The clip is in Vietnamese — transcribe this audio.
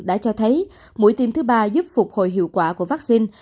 đã cho thấy mũi tiêm thứ ba giúp phục hồi hiệu quả của vaccine